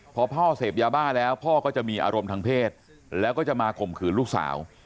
พอพ่อเสพยาบ้าแล้วพ่อก็จะมีอารมณ์ทางเพศแล้วก็จะมาข่มขืนลูกสาว